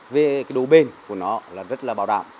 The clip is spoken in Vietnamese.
về cái đồ bền của nó là rất là bảo đảm